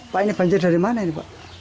pak ini banjir dari mana ini pak